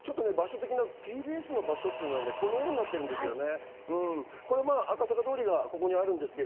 ＴＢＳの場所というのは、このようになってるんですよね。